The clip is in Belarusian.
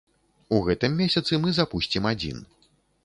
У гэтым месяцы мы запусцім адзін.